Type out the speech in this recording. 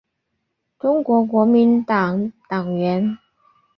中国国民党党员。